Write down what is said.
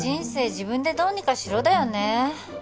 自分でどうにかしろだよね